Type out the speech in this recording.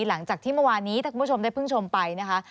หลังจากที่เมื่อวานนี้ถ้าคุณผู้ชมได้เพิ่งชมไปนะคะ